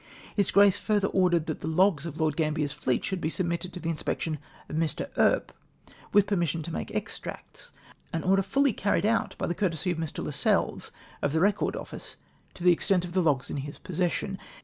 His grace further ordered that the logs of Lord Gambler's fleet shoidd be submitted to the inspection of Mr. Earp, with permission to make extracts ; an order fully carried out by the courtesy of Mr. Lascelles, of the Record Office, to the extent of the logs in his possession.